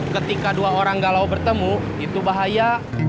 ketika dua orang galau bertemu itu bahaya